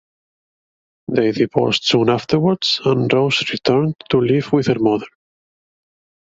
They divorced soon afterwards and Rose returned to live with her mother.